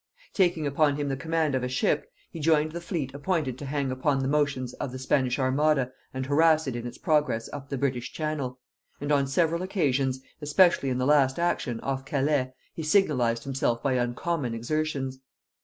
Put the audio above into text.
Taking upon him the command of a ship, he joined the fleet appointed to hang upon the motions of the Spanish armada and harass it in its progress up the British Channel; and on several occasions, especially in the last action, off Calais, he signalized himself by uncommon exertions.